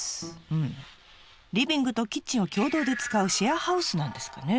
うんリビングとキッチンを共同で使うシェアハウスなんですかね？